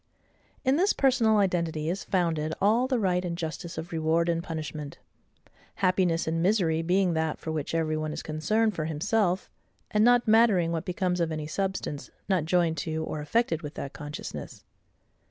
In this personal identity is founded all the right and justice of reward and punishment; happiness and misery being that for which every one is concerned for HIMSELF, and not mattering what becomes of any SUBSTANCE, not joined to, or affected with that consciousness.